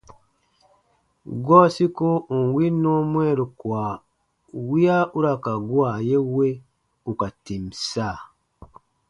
Gɔɔ siko ù n win nɔɔ mwɛɛru kua wiya u ra ka gua ye we ù ka tìm sa.